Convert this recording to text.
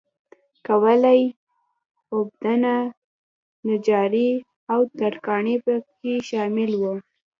کولالي، اوبدنه، نجاري او ترکاڼي په کې شامل وو